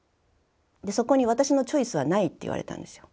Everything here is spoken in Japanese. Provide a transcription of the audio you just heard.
そこに私のチョイスはないって言われたんですよ。